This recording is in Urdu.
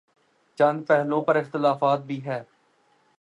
چند پہلوئوں پر اختلاف بھی ہے۔